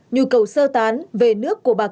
nhu cầu sơ tán về nước của bà công